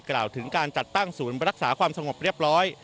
กล่าวถึงการจัดตั้งศูนย์รักษาความสงบเรียบร้อย